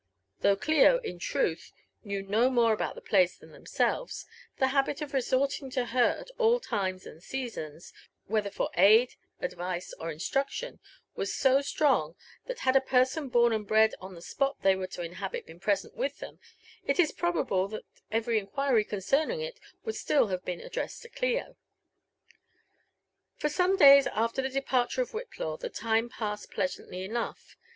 Though Clio, in truth, knew no more about the placet than themselves, the habit of resorting to her at all times and seasons, whether for aid, advice, or instruction, was so strong, that had a persQH born and bred on the spot they were to inhabit been present with tUem» it IS probable that every inquiry concerning it would still have been ad* dressed to Clio. For some days after the departure of Whitlaw the time passed plea santly enough.